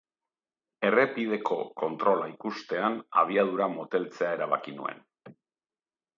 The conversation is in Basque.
Errepideko kontrola ikustean abiadura moteltzea erabaki nuen.